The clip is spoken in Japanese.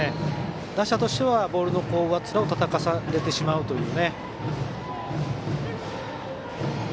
打者としてはボールの上っ面をたたかされてしまうという。